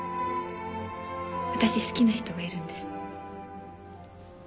私好きな人がいるんです。